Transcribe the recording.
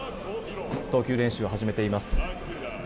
投球練習を始めています。